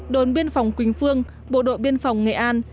đồn biên phòng quỳnh phương bộ đội biên phòng nghệ an